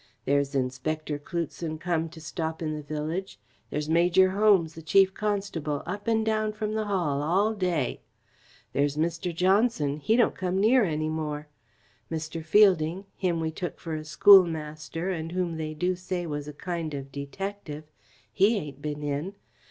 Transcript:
There's Inspector Cloutson come to stop in the village. There's Major Holmes, the Chief Constable, up and down from the Hall all day. There's Mr. Johnson, he don't come near any more. Mr. Fielding him we took for a schoolmaster and whom they do say was a kind of detective he ain't been in.